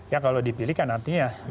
ya kalau dipilih kan artinya